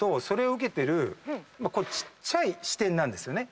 ちっちゃい支点なんですよね。